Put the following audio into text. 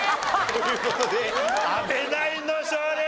という事で阿部ナインの勝利！